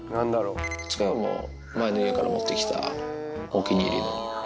机は前の家から持ってきた、お気に入りの。